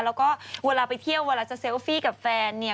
แล้วก็เวลาไปเที่ยวเวลาจะเซลฟี่กับแฟนเนี่ย